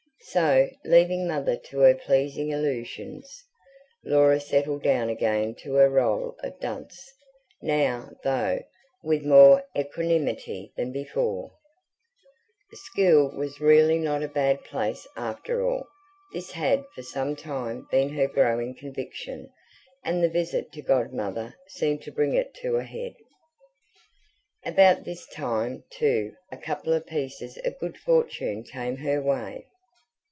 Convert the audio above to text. So, leaving Mother to her pleasing illusions, Laura settled down again to her role of dunce, now, though, with more equanimity than before. School was really not a bad place after all this had for some time been her growing conviction, and the visit to Godmother seemed to bring it to a head. About this time, too, a couple of pieces of good fortune came her way.